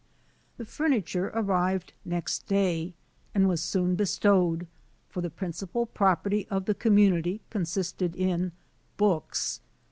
The furniture arrived next day, and was soon bestowed; for the principal property of the com munity consisted in books.